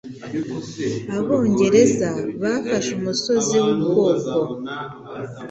Abongereza bafashe Umusozi Wubwoko